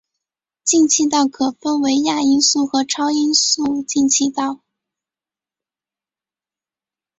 进气道可分为亚音速和超音速进气道。